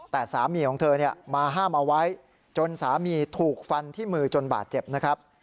แต่สามีของเธอมาห้ามเอาไว้จนสามีถูกฟันที่มือจนบาดเจ็บนะครับ